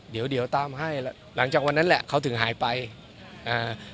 เดี๋ยวเดี๋ยวตามให้หลังจากวันนั้นแหละเขาถึงหายไปอ่า